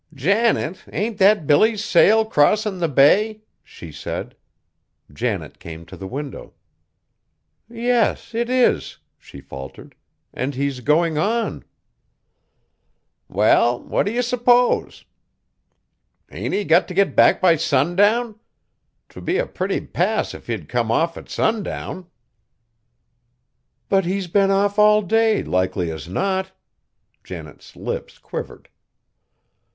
"Janet, ain't that Billy's sail crossin' the bay?" she said. Janet came to the window. "Yes, it is," she faltered; "and he's going on!" "Well, what do you suppose? Ain't he got t' get back by sundown? 'T would be a pretty pass if he'd come off at sundown." "But he's been off all day, likely as not!" Janet's lip quivered.